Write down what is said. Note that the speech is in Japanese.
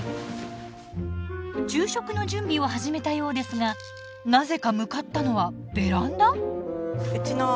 昼食の準備を始めたようですがなぜか向かったのはベランダ？